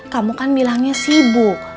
kamu kan bilangnya sibuk